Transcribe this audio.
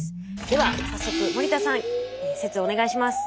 では早速森田さん説をお願いします！